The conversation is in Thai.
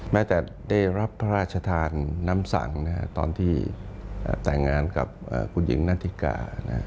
แม้แต่ได้รับพระราชทานน้ำสั่งตอนที่แต่งงานกับคุณหญิงนาธิกา